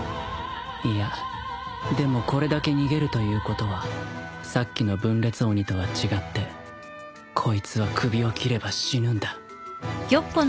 いやでもこれだけ逃げるということはさっきの分裂鬼とは違ってこいつは首を斬れば死ぬんだ